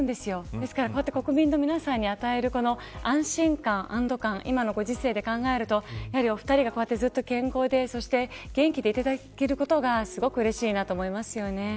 ですからこうやって国民の皆さんに与える安心感安堵感、今のご時世で考えるとお二人がこうしてずっと健康で元気でいていただけることがすごくうれしいなと思いますよね。